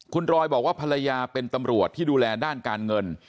คุณรอยบอกว่าภรรยาเป็นตำรวจที่ดูแลด้านการเงิน